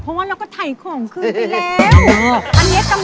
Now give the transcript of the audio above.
เพราะว่าเราก็ไถข่วงคืนไปแล้ว